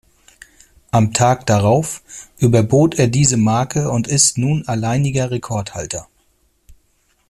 Am Tag darauf überbot er diese Marke und ist nun alleiniger Rekordhalter.